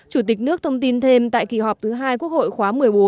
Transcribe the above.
chủ tịch nước thông tin thêm tại kỳ họp thứ hai quốc hội khóa một mươi bốn